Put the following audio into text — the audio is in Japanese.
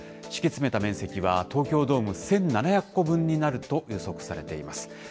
敷き詰めた面積は、東京ドーム１７００個分になると予測されています。